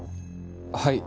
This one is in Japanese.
はい。